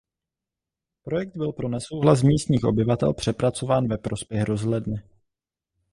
Projekt byl pro nesouhlas místních obyvatel přepracován ve prospěch rozhledny.